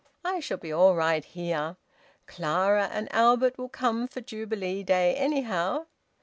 I shall be all right here. Clara and Albert will come for Jubilee Day, anyhow.